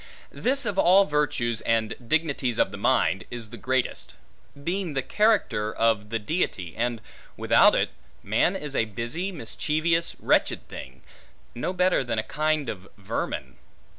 This of all virtues, and dignities of the mind, is the greatest; being the character of the Deity: and without it, man is a busy, mischievous, wretched thing; no better than a kind of vermin.